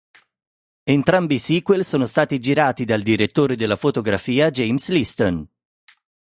Entrambi i sequel sono stati girati dal direttore della fotografia James Liston.